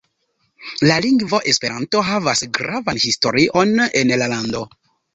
La lingvo Esperanto havas gravan historion en la lando.